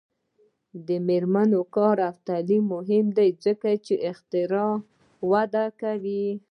د میرمنو کار او تعلیم مهم دی ځکه چې اختراع وده کوي.